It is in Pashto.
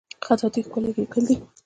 خطاطي ښکلی لیکل دي